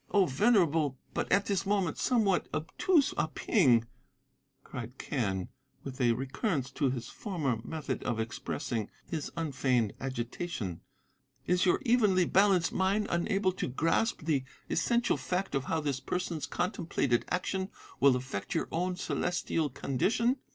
"'O venerable, but at this moment somewhat obtuse, Ah Ping,' cried Quen, with a recurrence to his former method of expressing his unfeigned agitation, 'is your evenly balanced mind unable to grasp the essential fact of how this person's contemplated action will affect your own celestial condition?